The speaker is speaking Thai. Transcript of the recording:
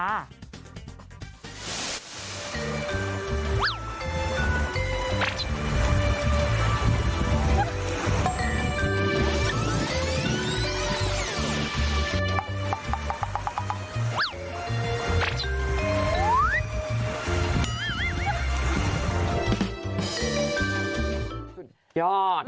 สุดยอด